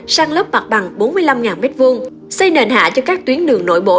sang lớp mặt bằng bốn mươi năm m hai xây nền hạ cho các tuyến đường nội bộ